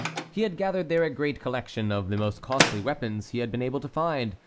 He had gathered there a great collection of the most costly weapons he had been able to find.